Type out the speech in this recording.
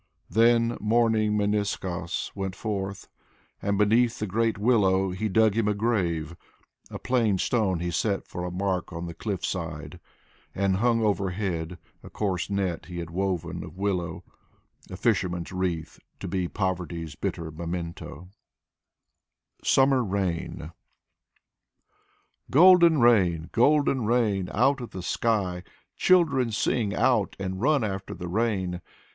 Then mourning Meniskos went forth, and beneath the great willow He dug him a grave, a plain stone he set for a mark on the cliff side. And hung overhead a coarse net he had woven of willow, — A fisherman's wreath to be poverty's bitter memento. 42 A poll on Maikov SUMMER RAIN " Golden rain I Golden rain ! out of the sky !" Children sing out and run after the rain.